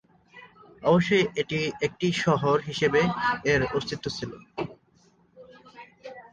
অবশ্যই একটি শহর হিসেবে এর অস্তিত্ব ছিল।